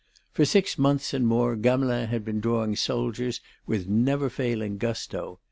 For six months and more Gamelin had been drawing soldiers with never failing gusto.